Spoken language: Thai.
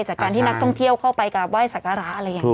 จากการที่นักท่องเที่ยวเข้าไปกราบไห้สักการะอะไรอย่างนี้